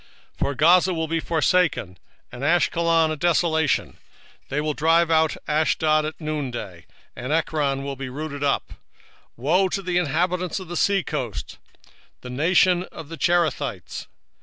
2:4 For Gaza shall be forsaken, and Ashkelon a desolation: they shall drive out Ashdod at the noon day, and Ekron shall be rooted up. 2:5 Woe unto the inhabitants of the sea coast, the nation of the Cherethites!